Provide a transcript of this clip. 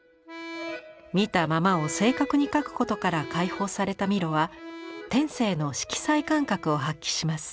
見たままを正確に描くことから解放されたミロは天性の色彩感覚を発揮します。